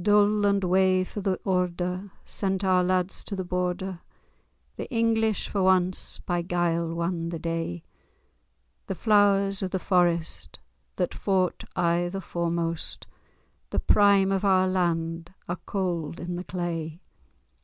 Dool and wae for the order, sent our lads to the Border! The English, for ance, by guile wan the day: The Flowers of the Forest, that fought aye the foremost, The prime of our land, are cauld in the clay.